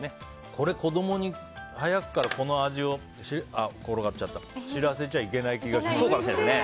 これ、子供に早くからこの味を知らせちゃいけない気がします。